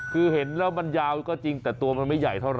คือเห็นแล้วมันยาวก็จริงแต่ตัวมันไม่ใหญ่เท่าไ